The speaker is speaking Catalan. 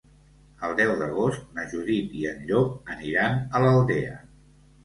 El deu d'agost na Judit i en Llop aniran a l'Aldea.